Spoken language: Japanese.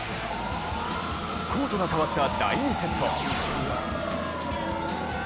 コートがかわった第２セット。